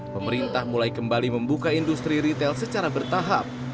pemerintah mulai kembali membuka industri retail secara bertahap